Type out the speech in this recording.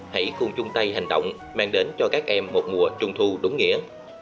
hãy cùng chung tay hành động mang đến cho các em một mùa trung thu đúng nghĩa